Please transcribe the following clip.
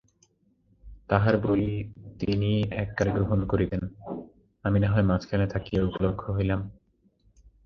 তাঁহার বলি তিনিই এক কালে গ্রহণ করিতেন, আমি নাহয় মাঝখানে থাকিয়া উপলক্ষ হইলাম।